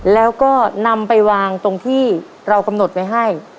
แล้วก็นำไปวางตรงที่เรากำหนดไว้ให้